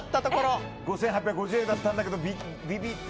５８５０円だったんですけどビビって。